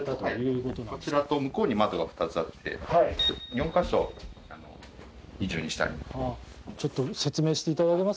こちらと向こうに窓が２つあって４か所、二重にしてあります。